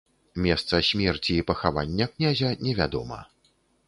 Месца смерці і пахавання князя невядома.